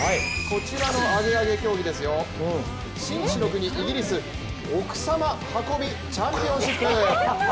こちらのアゲアゲ競技ですよ、紳士の国イギリス奥様運びチャンピオンシップ。